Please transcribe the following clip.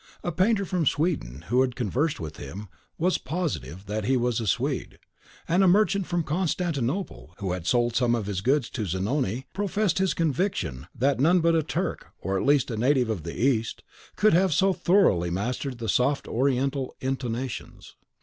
A painter from Sweden, who had conversed with him, was positive that he was a Swede; and a merchant from Constantinople, who had sold some of his goods to Zanoni, professed his conviction that none but a Turk, or at least a native of the East, could have so thoroughly mastered the soft Oriental intonations.